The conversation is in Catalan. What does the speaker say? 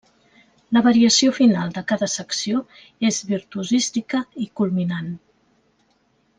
La variació final de cada secció és virtuosística i culminant.